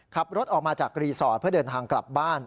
ขับรถออกมาจากรีสอร์ทเพื่อเดินทางกลับบ้าน